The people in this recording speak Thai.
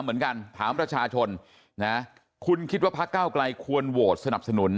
เหมือนกันถามประชาชนนะคุณคิดว่าพระเก้าไกลควรโหวตสนับสนุน